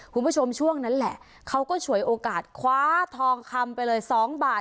คุณผู้ชมช่วงนั้นแหละเขาก็ฉวยโอกาสคว้าทองคำไปเลย๒บาท